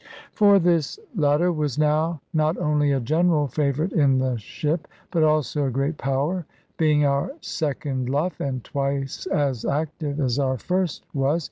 For this latter was now not only a general favourite in the ship, but also a great power; being our second luff, and twice as active as our first was.